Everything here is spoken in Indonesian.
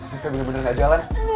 bisa bener bener gak jalan